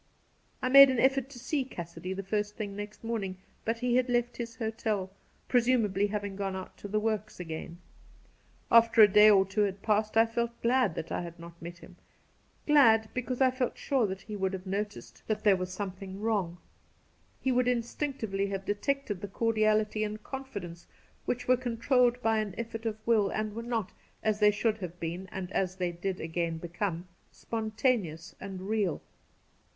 I made an effort to see Cassidy the first thing next morning, but he had left his hotel — pre sumably having gone out to the works again. After a day or two had passed I felt glad that I had not met him — ^glad because I felt sure that he would have noticed that there was something 142 > Cassidy wrong. He would instinctively have detected the cordiality and confidence which were controlled by an efibrt of will, and were not— as they should have been, and as they did again become — spon taneous and real.